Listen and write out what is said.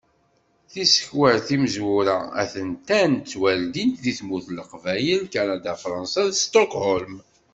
Tisekwa timezwura a-tent-an ttwaldint deg tmurt n Leqbayel, Kanada, Fransa d Sṭukhulm.